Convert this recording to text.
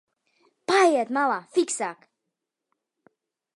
Paejiet malā, fiksāk!